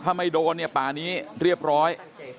ถ้าไม่โดนเนี่ยป่านี้เรียบร้อย